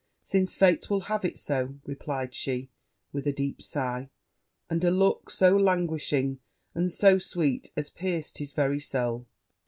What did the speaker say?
'Since fate will have it so,' replied she with a deep sigh, and a look so languishing and so sweet as pierced his very soul.